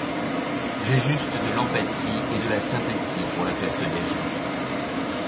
J'ai juste de l'empathie et de la sympathie pour la perte des gens.